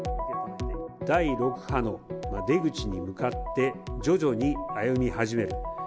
第６波の出口に向かって、徐々に歩み始める。